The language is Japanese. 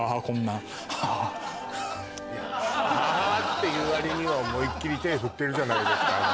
こんなああっていう割には思いっきり手振ってるじゃないですか